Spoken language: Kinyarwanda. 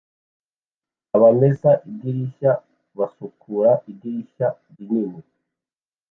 Abamesa idirishya basukura idirishya rinini